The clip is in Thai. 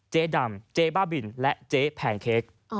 เจ๊ดำเจ๊บ้าบินและเจ๊แพนเค้ก